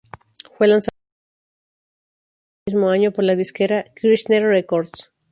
Fue lanzado como sencillo promocional en el mismo año por la disquera Kirshner Records.